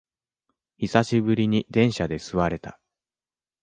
久しぶりに電車で座れた